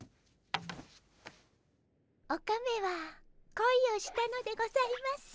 オカメはこいをしたのでございます。